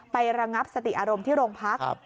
ระงับสติอารมณ์ที่โรงพัก